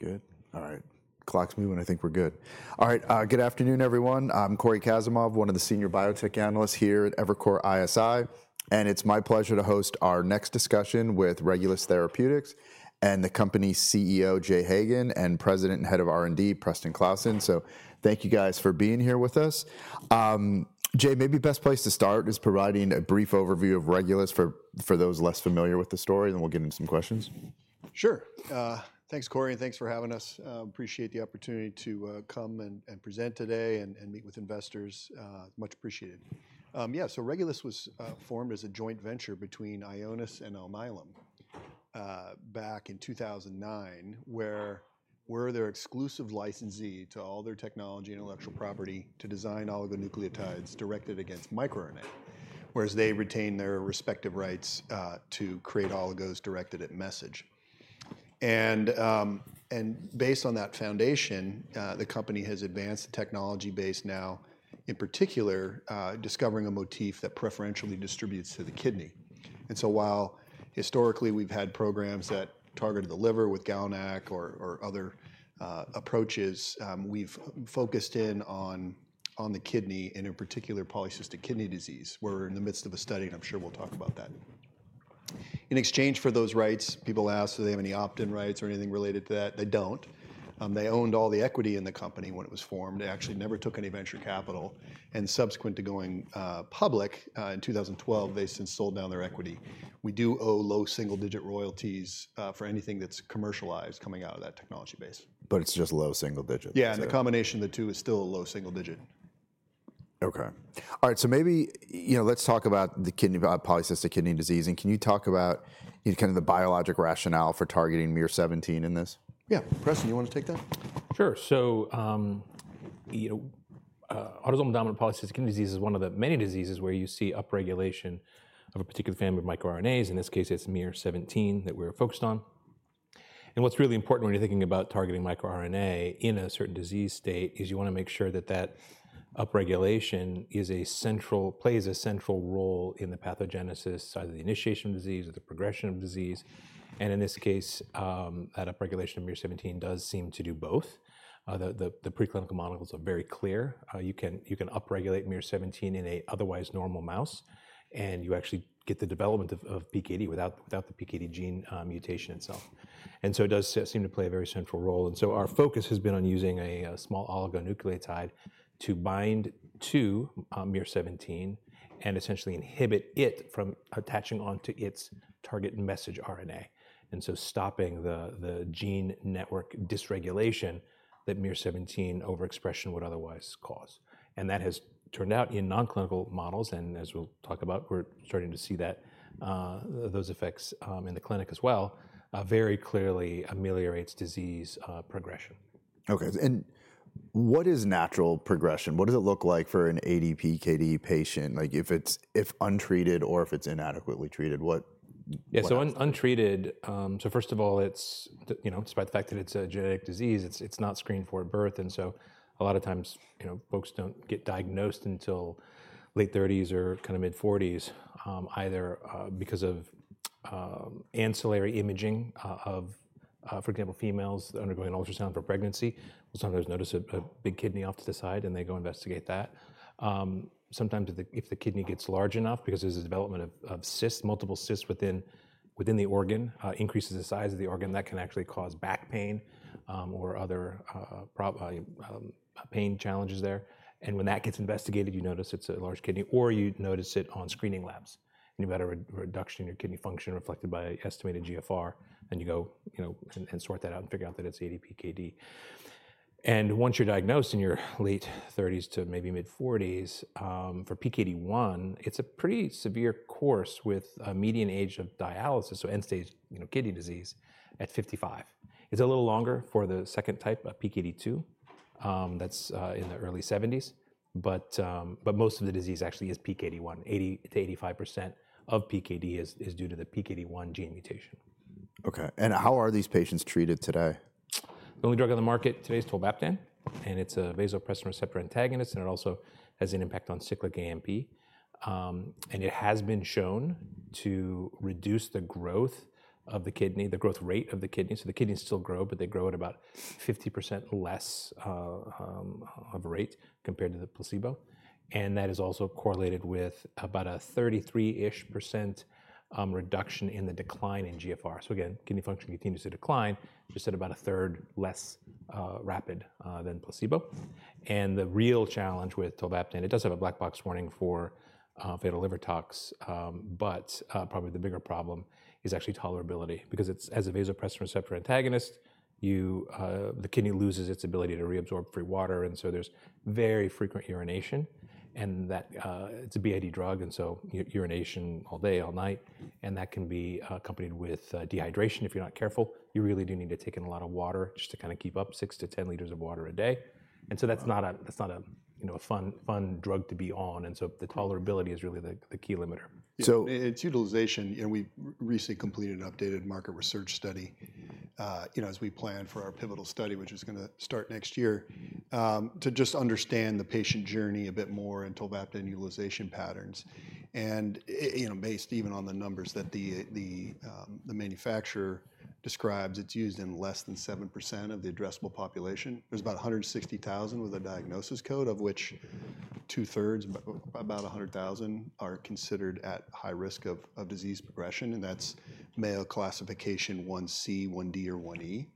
We're good. All right. Clocks moving, I think we're good. All right. Good afternoon, everyone. I'm Cory Kasimov, one of the senior biotech analysts here at Evercore ISI, and it's my pleasure to host our next discussion with Regulus Therapeutics and the company's CEO, Jay Hagan, and President and Head of R&D, Preston Klassen. So thank you guys for being here with us. Jay, maybe the best place to start is providing a brief overview of Regulus for those less familiar with the story, and then we'll get into some questions. Sure. Thanks, Cory, and thanks for having us. Appreciate the opportunity to come and present today and meet with investors. Much appreciated. Yeah, so Regulus was formed as a joint venture between Ionis and Alnylam back in 2009, where they're exclusive licensee to all their technology and intellectual property to design oligonucleotides directed against microRNA, whereas they retain their respective rights to create oligos directed at mRNA. And based on that foundation, the company has advanced the technology base now, in particular, discovering a motif that preferentially distributes to the kidney. And so while historically we've had programs that targeted the liver with GalNAc or other approaches, we've focused in on the kidney and in particular polycystic kidney disease, where we're in the midst of a study, and I'm sure we'll talk about that. In exchange for those rights, people asked, do they have any opt-in rights or anything related to that? They don't. They owned all the equity in the company when it was formed. They actually never took any venture capital. And subsequent to going public in 2012, they since sold down their equity. We do owe low single-digit royalties for anything that's commercialized coming out of that technology base. But it's just low single digits. Yeah, and the combination of the two is still low single digit. Okay. All right, so maybe let's talk about polycystic kidney disease. Can you talk about kind of the biologic rationale for targeting miR-17 in this? Yeah. Preston, you want to take that? Sure. So autosomal dominant polycystic kidney disease is one of the many diseases where you see upregulation of a particular family of microRNAs. In this case, it's miR-17 that we're focused on. And what's really important when you're thinking about targeting microRNA in a certain disease state is you want to make sure that that upregulation plays a central role in the pathogenesis, either the initiation of disease or the progression of disease. And in this case, that upregulation of miR-17 does seem to do both. The preclinical model is very clear. You can upregulate miR-17 in an otherwise normal mouse, and you actually get the development of PKD without the PKD gene mutation itself. And so it does seem to play a very central role. And so our focus has been on using a small oligonucleotide to bind to miR-17 and essentially inhibit it from attaching onto its target messenger RNA, and so stopping the gene network dysregulation that miR-17 overexpression would otherwise cause. And that has turned out in nonclinical models, and as we'll talk about, we're starting to see those effects in the clinic as well, very clearly ameliorates disease progression. Okay. And what is natural progression? What does it look like for an ADPKD patient, like if it's untreated or if it's inadequately treated? Yeah, so untreated, so first of all, despite the fact that it's a genetic disease, it's not screened for at birth, and so a lot of times folks don't get diagnosed until late 30s or kind of mid-40s, either because of ancillary imaging of, for example, females undergoing an ultrasound for pregnancy. Sometimes there's notice of a big kidney off to the side, and they go investigate that. Sometimes if the kidney gets large enough because there's a development of multiple cysts within the organ, increases the size of the organ, that can actually cause back pain or other pain challenges there, and when that gets investigated, you notice it's a large kidney or you notice it on screening labs, you've got a reduction in your kidney function reflected by estimated GFR, and you go and sort that out and figure out that it's ADPKD. Once you're diagnosed in your late 30s to maybe mid-40s, for PKD1, it's a pretty severe course with a median age of dialysis, so end-stage kidney disease, at 55. It's a little longer for the second type, PKD2, that's in the early 70s, but most of the disease actually is PKD1. 80%-85% of PKD is due to the PKD1 gene mutation. Okay. And how are these patients treated today? The only drug on the market today is tolvaptan, and it's a vasopressin receptor antagonist, and it also has an impact on cyclic AMP, and it has been shown to reduce the growth of the kidney, the growth rate of the kidney, so the kidneys still grow, but they grow at about 50% less of a rate compared to the placebo, and that is also correlated with about a 33-ish% reduction in the decline in GFR, so again, kidney function continues to decline, just at about a third less rapid than placebo, and the real challenge with tolvaptan, it does have a black box warning for fatal liver tox, but probably the bigger problem is actually tolerability because as a vasopressin receptor antagonist, the kidney loses its ability to reabsorb free water, and so there's very frequent urination. It's a BID drug, and so urination all day, all night, and that can be accompanied with dehydration. If you're not careful, you really do need to take in a lot of water just to kind of keep up 6-10 liters of water a day. That's not a fun drug to be on. The tolerability is really the key limiter. So, its utilization. We recently completed an updated market research study as we planned for our pivotal study, which is going to start next year, to just understand the patient journey a bit more and tolvaptan utilization patterns. And based even on the numbers that the manufacturer describes, it's used in less than 7% of the addressable population. There's about 160,000 with a diagnosis code, of which two-thirds, about 100,000, are considered at high risk of disease progression, and that's Mayo classification 1C, 1D, or 1E.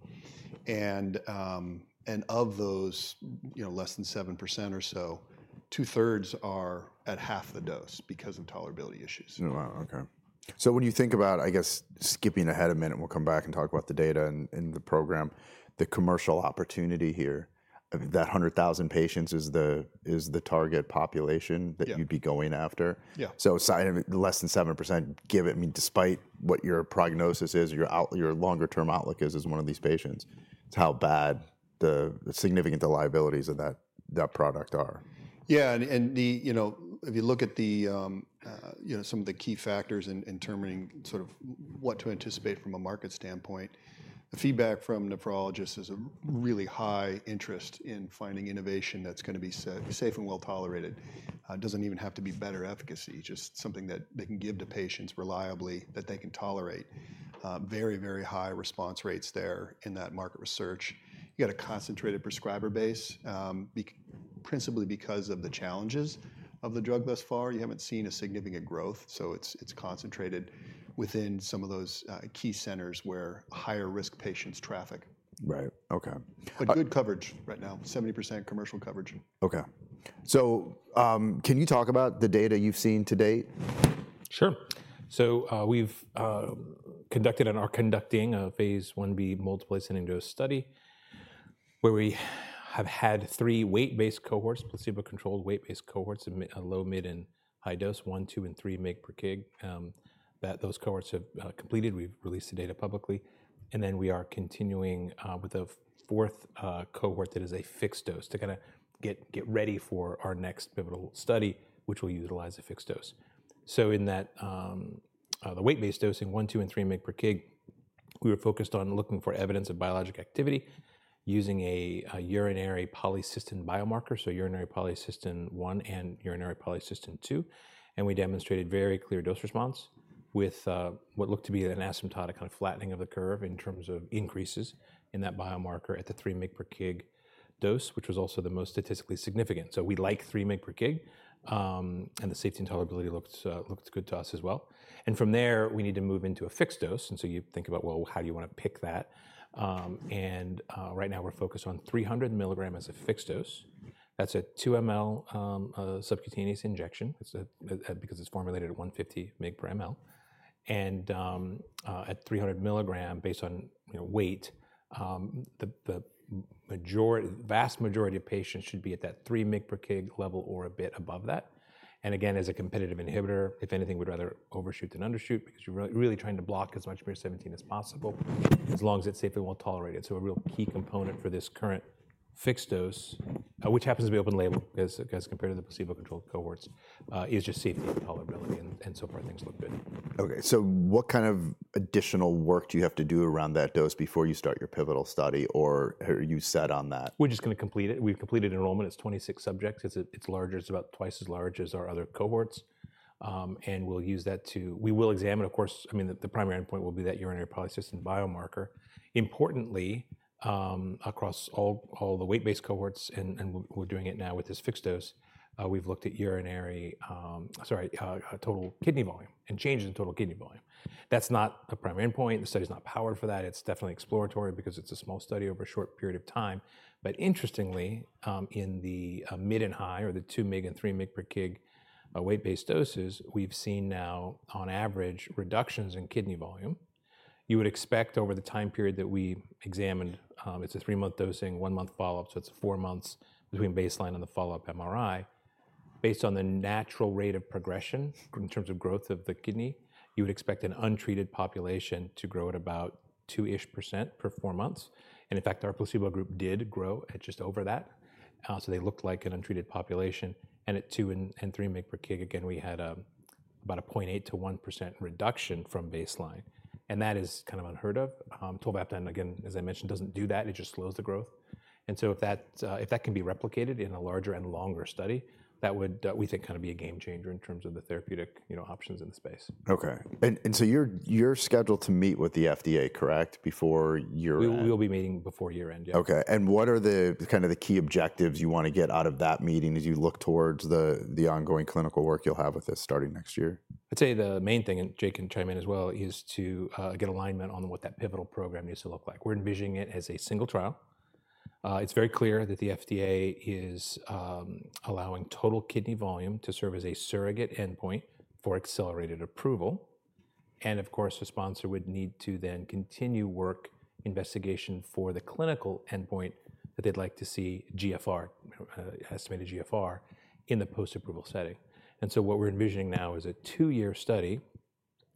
And of those, less than 7% or so, two-thirds are at half the dose because of tolerability issues. Wow. Okay. So when you think about, I guess, skipping ahead a minute, and we'll come back and talk about the data and the program, the commercial opportunity here, that 100,000 patients is the target population that you'd be going after. Yeah. Less than 7%, given despite what your prognosis is, your longer-term outlook is one of these patients. It's how bad the significant liabilities of that product are. Yeah. And if you look at some of the key factors in determining sort of what to anticipate from a market standpoint, the feedback from nephrologists is a really high interest in finding innovation that's going to be safe and well tolerated. It doesn't even have to be better efficacy, just something that they can give to patients reliably that they can tolerate. Very, very high response rates there in that market research. You got a concentrated prescriber base, principally because of the challenges of the drug thus far. You haven't seen a significant growth, so it's concentrated within some of those key centers where higher-risk patients traffic. Right. Okay. But good coverage right now, 70% commercial coverage. Okay, so can you talk about the data you've seen to date? Sure. So we've conducted and are conducting a phase 1B multiple ascending dose study where we have had three weight-based cohorts, placebo-controlled weight-based cohorts in low, mid, and high dose, one, two, and three mg per kg. Those cohorts have completed. We've released the data publicly and then we are continuing with a fourth cohort that is a fixed dose to kind of get ready for our next pivotal study, which will utilize a fixed dose, so in the weight-based dosing, one, two, and three mg per kg, we were focused on looking for evidence of biologic activity using a urinary polycystin biomarker, so urinary polycystin 1 and urinary polycystin 2. We demonstrated very clear dose response with what looked to be an asymptotic kind of flattening of the curve in terms of increases in that biomarker at the three mg per kg dose, which was also the most statistically significant. We like three mg per kg, and the safety and tolerability looked good to us as well. From there, we need to move into a fixed dose. You think about, well, how do you want to pick that? Right now, we're focused on 300 milligram as a fixed dose. That's a 2 mL subcutaneous injection because it's formulated at 150 mg per mL. At 300 milligram, based on weight, the vast majority of patients should be at that three mg per kg level or a bit above that. Again, as a competitive inhibitor, if anything, we'd rather overshoot than undershoot because you're really trying to block as much miR-17 as possible as long as it's safely well tolerated. A real key component for this current fixed dose, which happens to be open label as compared to the placebo-controlled cohorts, is just safety and tolerability, and so far things look good. Okay. So what kind of additional work do you have to do around that dose before you start your pivotal study or you settle on that? We're just going to complete it. We've completed enrollment. It's 26 subjects. It's larger. It's about twice as large as our other cohorts. And we'll use that to examine, of course, I mean, the primary endpoint will be that urinary polycystin biomarker. Importantly, across all the weight-based cohorts, and we're doing it now with this fixed dose, we've looked at urinary, sorry, total kidney volume and changes in total kidney volume. That's not a primary endpoint. The study is not powered for that. It's definitely exploratory because it's a small study over a short period of time. But interestingly, in the mid and high or the two mg and three mg per kg weight-based doses, we've seen now, on average, reductions in kidney volume. You would expect over the time period that we examined, it's a three-month dosing, one-month follow-up, so it's four months between baseline and the follow-up MRI. Based on the natural rate of progression in terms of growth of the kidney, you would expect an untreated population to grow at about 2-ish% per four months. And in fact, our placebo group did grow at just over that. So they looked like an untreated population. And at two and three mg per kg, again, we had about a 0.8 to 1% reduction from baseline. And that is kind of unheard of. Tolvaptan, again, as I mentioned, doesn't do that. It just slows the growth. And so if that can be replicated in a larger and longer study, that would, we think, kind of be a game changer in terms of the therapeutic options in the space. Okay. And so you're scheduled to meet with the FDA, correct, before your. We will be meeting before year-end, yeah. Okay, and what are kind of the key objectives you want to get out of that meeting as you look towards the ongoing clinical work you'll have with this starting next year? I'd say the main thing, and Jay can chime in as well, is to get alignment on what that pivotal program needs to look like. We're envisioning it as a single trial. It's very clear that the FDA is allowing total kidney volume to serve as a surrogate endpoint for accelerated approval. And of course, a sponsor would need to then continue work investigation for the clinical endpoint that they'd like to see estimated GFR in the post-approval setting. And so what we're envisioning now is a two-year study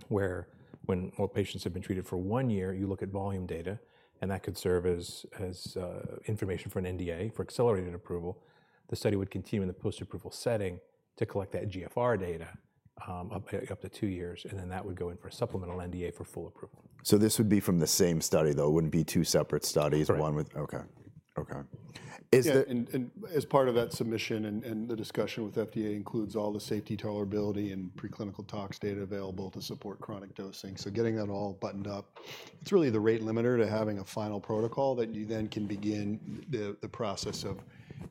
where when patients have been treated for one year, you look at volume data, and that could serve as information for an NDA for accelerated approval. The study would continue in the post-approval setting to collect that GFR data up to two years, and then that would go in for a supplemental NDA for full approval. So this would be from the same study, though. It wouldn't be two separate studies. Correct. Okay. Okay. And as part of that submission and the discussion with FDA includes all the safety, tolerability, and preclinical tox data available to support chronic dosing. So getting that all buttoned up, it's really the rate limiter to having a final protocol that you then can begin the process of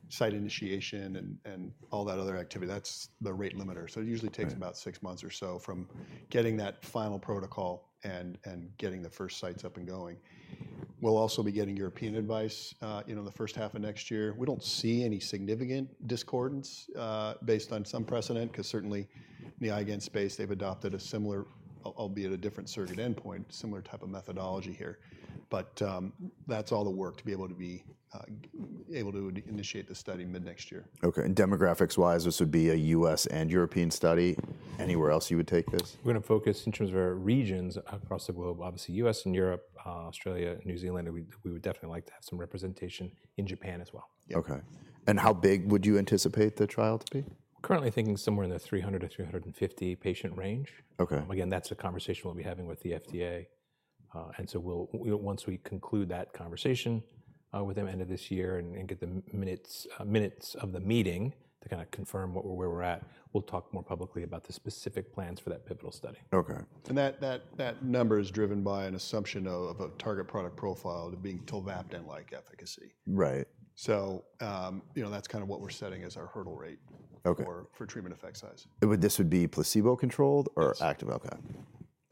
site initiation and all that other activity. That's the rate limiter. So it usually takes about six months or so from getting that final protocol and getting the first sites up and going. We'll also be getting European advice in the first half of next year. We don't see any significant discordance based on some precedent because certainly in the IgAN space, they've adopted a similar, albeit a different surrogate endpoint, similar type of methodology here. But that's all the work to be able to initiate the study mid next year. Okay. And demographics-wise, this would be a U.S. and European study. Anywhere else you would take this? We're going to focus in terms of our regions across the globe, obviously U.S. and Europe, Australia, New Zealand. We would definitely like to have some representation in Japan as well. Okay, and how big would you anticipate the trial to be? Currently thinking somewhere in the 300-350 patient range. Okay. Again, that's a conversation we'll be having with the FDA. And so once we conclude that conversation with them at the end of this year and get the minutes of the meeting to kind of confirm where we're at, we'll talk more publicly about the specific plans for that pivotal study. Okay. That number is driven by an assumption of a target product profile to being tolvaptan-like efficacy. Right. So that's kind of what we're setting as our hurdle rate for treatment effect size. This would be placebo-controlled or active? Correct.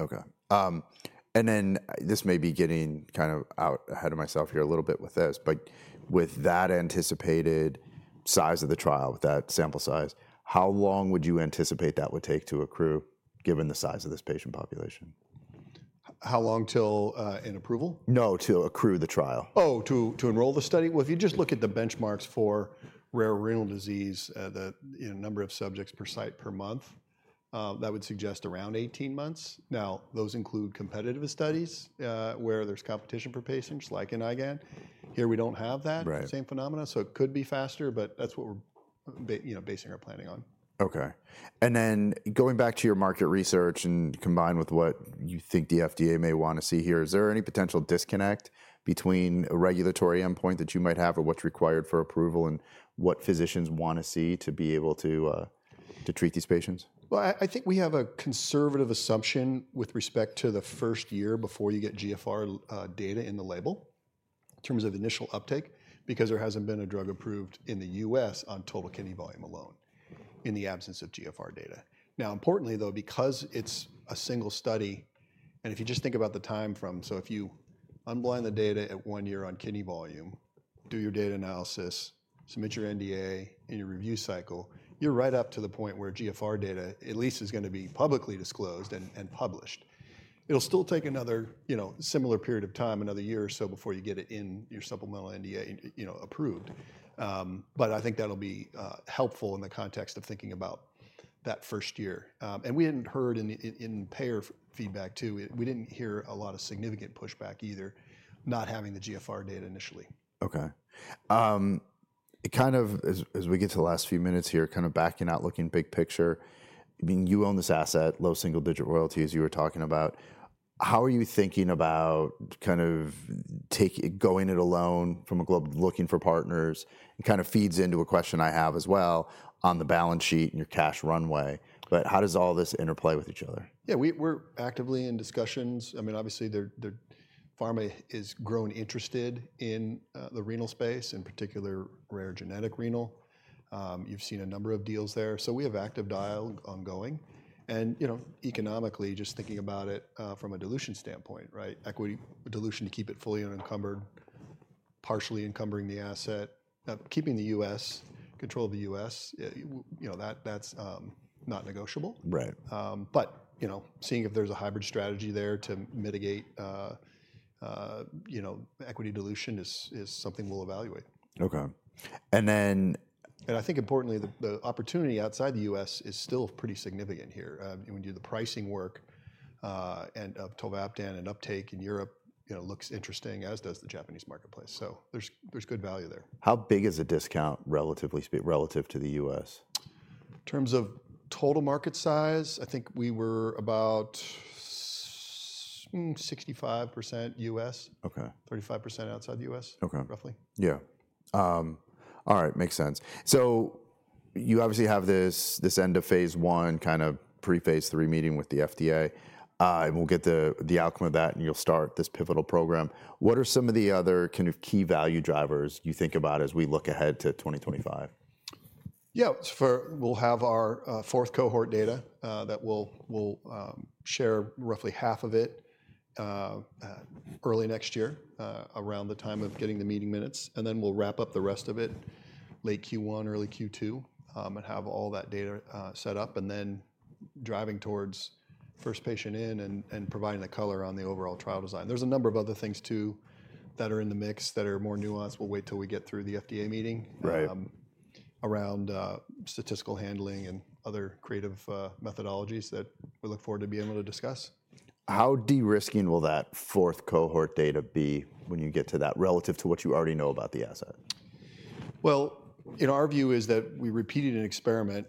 Okay. Okay. And then this may be getting kind of out ahead of myself here a little bit with this, but with that anticipated size of the trial, with that sample size, how long would you anticipate that would take to accrue given the size of this patient population? How long till an approval? No, to accrue the trial. Oh, to enroll the study? Well, if you just look at the benchmarks for rare renal disease, the number of subjects per site per month, that would suggest around 18 months. Now, those include competitive studies where there's competition for patients like in IgAN. Here, we don't have that same phenomenon. So it could be faster, but that's what we're basing our planning on. Okay. And then going back to your market research and combined with what you think the FDA may want to see here, is there any potential disconnect between a regulatory endpoint that you might have of what's required for approval and what physicians want to see to be able to treat these patients? I think we have a conservative assumption with respect to the first year before you get GFR data in the label in terms of initial uptake because there hasn't been a drug approved in the U.S. on total kidney volume alone in the absence of GFR data. Now, importantly, though, because it's a single study, and if you just think about the time from, so if you unblind the data at one year on kidney volume, do your data analysis, submit your NDA in your review cycle, you're right up to the point where GFR data at least is going to be publicly disclosed and published. It'll still take another similar period of time, another year or so before you get it in your supplemental NDA approved. But I think that'll be helpful in the context of thinking about that first year. We hadn't heard in payer feedback too. We didn't hear a lot of significant pushback either, not having the eGFR data initially. Okay. Kind of as we get to the last few minutes here, kind of backing out, looking big picture, I mean, you own this asset, low single-digit royalties you were talking about. How are you thinking about kind of going it alone from a global looking for partners? It kind of feeds into a question I have as well on the balance sheet and your cash runway. But how does all this interplay with each other? Yeah, we're actively in discussions. I mean, obviously, the pharma has grown interested in the renal space, in particular rare genetic renal. You've seen a number of deals there. So we have active dialogue ongoing. And economically, just thinking about it from a dilution standpoint, right? Equity dilution to keep it fully unencumbered, partially encumbering the asset, keeping the U.S. control of the U.S., that's not negotiable. Right. But seeing if there's a hybrid strategy there to mitigate equity dilution is something we'll evaluate. Okay, and then. I think importantly, the opportunity outside the U.S. is still pretty significant here. When you do the pricing work, tolvaptan and uptake in Europe looks interesting, as does the Japanese marketplace. There's good value there. How big is a discount relatively to the U.S.? In terms of total market size, I think we were about 65% U.S., 35% outside the U.S., roughly. Okay. Yeah. All right. Makes sense. So you obviously have this end of phase one, kind of pre-phase three meeting with the FDA. And we'll get the outcome of that, and you'll start this pivotal program. What are some of the other kind of key value drivers you think about as we look ahead to 2025? Yeah. We'll have our fourth cohort data that we'll share, roughly half of it, early next year around the time of getting the meeting minutes, and then we'll wrap up the rest of it, late Q1, early Q2, and have all that data set up and then driving towards first patient in and providing a color on the overall trial design. There's a number of other things too that are in the mix that are more nuanced. We'll wait till we get through the FDA meeting around statistical handling and other creative methodologies that we look forward to be able to discuss. How de-risking will that fourth cohort data be when you get to that relative to what you already know about the asset? Well, our view is that we repeated an experiment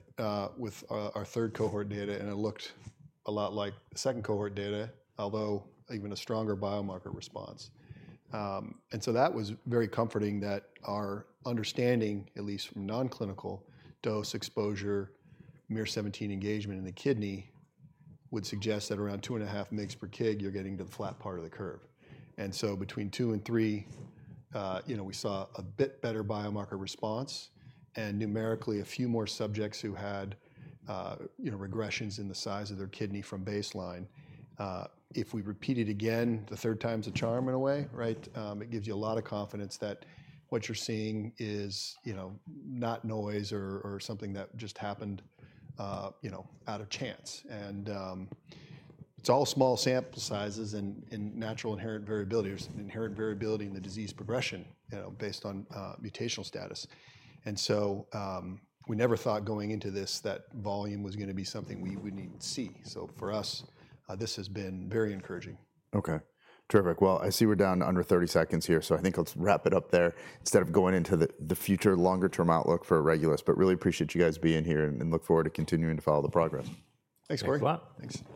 with our third cohort data, and it looked a lot like the second cohort data, although even a stronger biomarker response. And so that was very comforting that our understanding, at least from non-clinical dose exposure, miR-17 engagement in the kidney would suggest that around two and a half mgs per kg, you're getting to the flat part of the curve. And so between two and three, we saw a bit better biomarker response and numerically a few more subjects who had regressions in the size of their kidney from baseline. If we repeat it again, the third time's the charm in a way, right? It gives you a lot of confidence that what you're seeing is not noise or something that just happened out of chance. And it's all small sample sizes and natural inherent variability or inherent variability in the disease progression based on mutational status. And so we never thought going into this that volume was going to be something we wouldn't even see. So for us, this has been very encouraging. Okay. Terrific. Well, I see we're down to under 30 seconds here, so I think let's wrap it up there instead of going into the future longer-term outlook for Regulus. But really appreciate you guys being here and look forward to continuing to follow the progress. Thanks, Cory. Thanks a lot. Thanks.